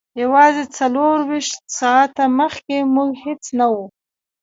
یوازې څلور ویشت ساعته مخکې موږ هیڅ نه وو